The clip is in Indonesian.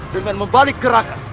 dengan membalik gerakan